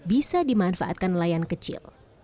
bisa dimanfaatkan nelayan kecil